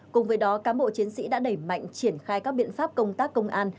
cùng với đó cán bộ chiến sĩ đã đẩy mạnh triển khai các biện pháp công tác công an